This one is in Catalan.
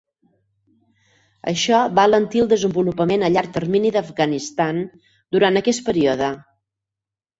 Això va alentir el desenvolupament a llarg termini d'Afganistan durant aquest període.